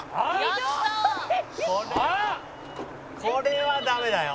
「これはダメだよ」